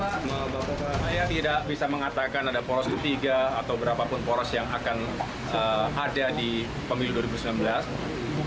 saya tidak bisa mengatakan ada poros ketiga atau berapapun poros yang akan ada di pemilu dua ribu sembilan belas